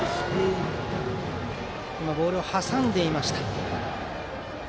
ボールを挟んでいました。